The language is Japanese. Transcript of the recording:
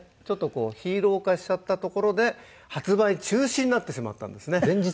ちょっとこうヒーロー化しちゃったところで発売中止になってしまったんですね。